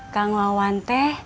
kang wawan teh